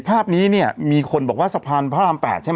ภาพนี้เนี่ยมีคนบอกว่าสะพานพระราม๘ใช่ไหม